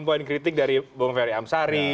poin kritik dari bung ferry amsari